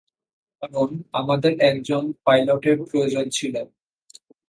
কারণ, আমাদের একজন পাইলটের প্রয়োজন ছিল।